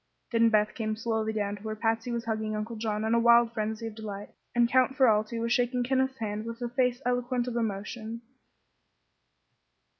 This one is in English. Then Beth came slowly down to where Patsy was hugging Uncle John in a wild frenzy of delight, and Count Ferralti was shaking Kenneth's hand with a face eloquent of emotion.